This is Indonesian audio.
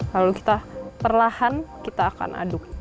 lalu kita perlahan kita akan aduk